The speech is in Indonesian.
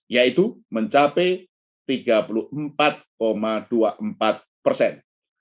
yaitu mencapai tiga puluh empat dua puluh empat persen